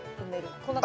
こんな感じ。